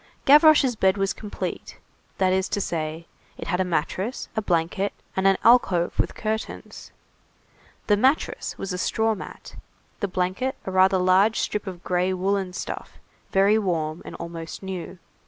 Gavroche's bed was complete; that is to say, it had a mattress, a blanket, and an alcove with curtains. The mattress was a straw mat, the blanket a rather large strip of gray woollen stuff, very warm and almost new.